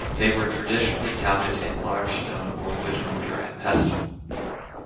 They were traditionally pounded in large stone or wood mortar and pestle.